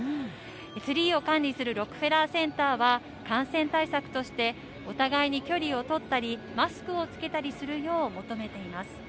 ツリーを管理するロックフェラーセンターは、感染対策としてお互いに距離を取ったり、マスクを着けたりするよう求めています。